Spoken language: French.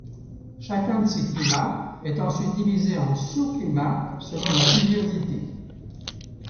Chacun de ces climats est ensuite divisé en sous-climats selon la pluviosité.